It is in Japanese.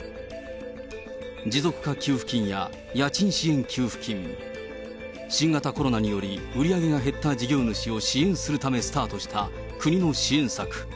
持続化給付金や家賃支援給付金、新型コロナにより、売り上げが減った事業主を支援するためスタートした国の支援策。